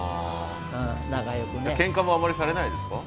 けんかもあんまりされないですか？